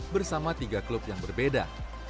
bersama tiga klub yang berbeda